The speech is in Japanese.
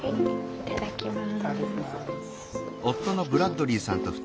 いただきます。